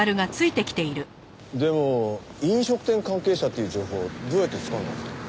でも飲食店関係者っていう情報どうやってつかんだんですかね。